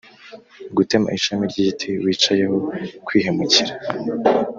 gutema ishami ry’igiti wicayeho: kwihemukira